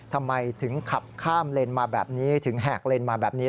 ทำไมถึงขับข้ามเลนมาแบบนี้ถึงแหกเลนมาแบบนี้